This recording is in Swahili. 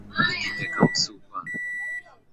kwa wanyama wa wanyama hadi ndege kwa